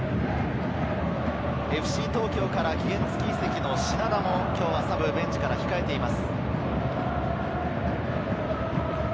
ＦＣ東京から期限付き移籍の品田も今日はサブ、ベンチに控えています。